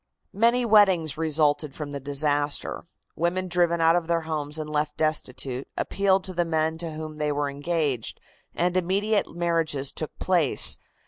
Many weddings resulted from the disaster. Women driven out of their homes and left destitute, appealed to the men to whom they were engaged, and immediate marriages took place.